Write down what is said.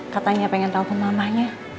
katanya pengen nelfon mamanya